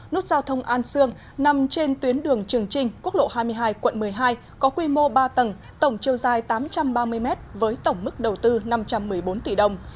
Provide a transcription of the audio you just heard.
nút giao thông an sương nằm trên tuyến đường trường trinh quốc lộ hai mươi hai quận một mươi hai có quy mô ba tầng tổng chiều dài tám trăm ba mươi mét với tổng mức đầu tư năm trăm một mươi bốn tỷ đồng